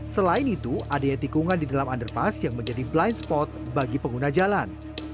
selain itu ada tikungan di dalam underpass yang menjadi blind spot bagi pengguna jalan